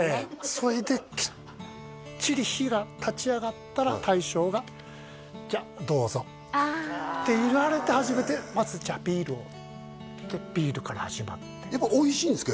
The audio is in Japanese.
それできっちり火が立ち上がったら大将が「じゃあどうぞ」あって言われて初めて「まずじゃあビールを」でビールから始まってやっぱおいしいんですか？